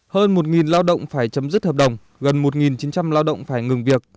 hơn một lao động phải chấm dứt hợp đồng gần một chín trăm linh lao động phải ngừng việc